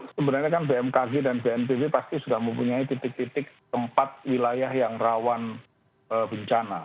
sebenarnya kan bmkg dan bnpb pasti sudah mempunyai titik titik tempat wilayah yang rawan bencana